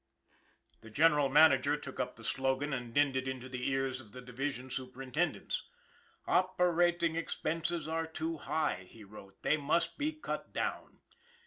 " The general manager took up the slogan and dinned it into the ears of the division superintendents. " Operating expenses are too high," he wrote. " They must be cut down."